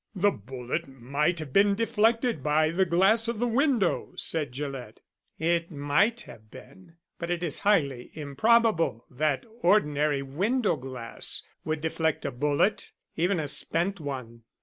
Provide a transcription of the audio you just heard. "The bullet might have been deflected by the glass of the window," said Gillett. "It might have been, but it is highly improbable that ordinary window glass would deflect a bullet even a spent one.